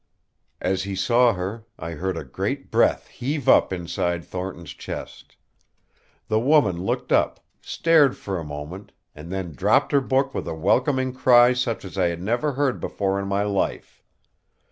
As he saw her, I heard a great breath heave up inside Thornton's chest. The woman looked up, stared for a moment, and then dropped her book with a welcoming cry such as I had never heard before in my life.